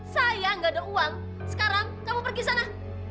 saya nggak ada uang sekarang kamu pergi sana